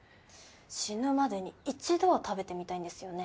死ぬまでに一度は食べてみたいんですよね。